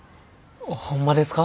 ホンマですか？